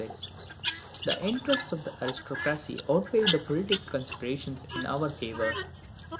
The interests of the aristocracy outweighed the political considerations in our favour.